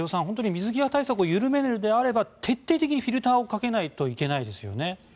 本当に水際対策を緩めるのであれば徹底的にフィルターをかけないといけないですよね。